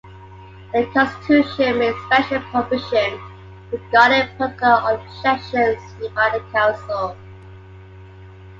The Constitution made special provision regarding particular objections made by the Council.